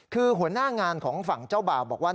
คือหัวหน้างานของฝั่งเจ้าบ่าวบอกว่า